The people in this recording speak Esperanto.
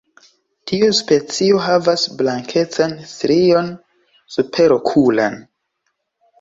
Tiu specio havas blankecan strion superokulan.